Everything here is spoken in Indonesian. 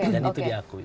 dan itu diakui